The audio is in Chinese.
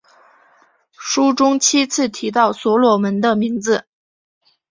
书中七次提到所罗门的名字。